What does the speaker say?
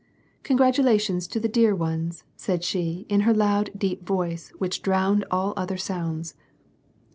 "Congratulations to the dear ones," said she, in her loud deep voice, which drowned all other sounds.